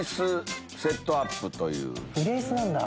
フリースなんだ。